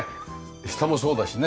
下もそうだしね。